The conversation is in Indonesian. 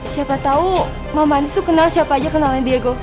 siapa tau mama andis tuh kenal siapa aja kenalnya diego